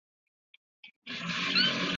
当天现场须购票